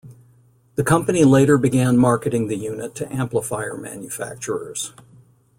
The company later began marketing the unit to amplifier manufacturers.